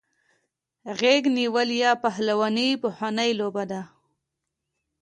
غیږ نیول یا پهلواني پخوانۍ لوبه ده.